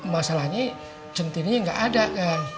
masalahnya centini nggak ada kan